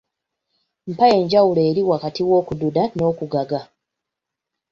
Mpa enjawulo eri wakati w’okududa n’okugaga?